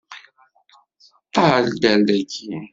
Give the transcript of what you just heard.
Ṭṭal-d ar daki!